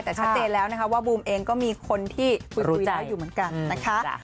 แต่ชัดเจนแล้วนะคะว่าบูมเองก็มีคนที่คุยแล้วอยู่เหมือนกันนะคะ